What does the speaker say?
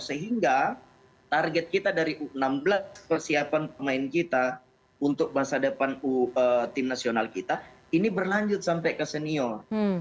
sehingga target kita dari u enam belas persiapan pemain kita untuk masa depan tim nasional kita ini berlanjut sampai ke senior